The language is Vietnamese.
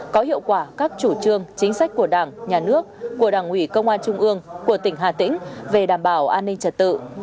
có hiệu quả các chủ trương chính sách của đảng nhà nước của đảng ủy công an trung ương của tỉnh hà tĩnh về đảm bảo an ninh trật tự